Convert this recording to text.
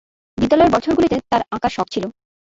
বিদ্যালয়ের বছরগুলিতে তার আঁকার শখ ছিল।